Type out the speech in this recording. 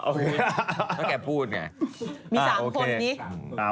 แต่แกพูดไง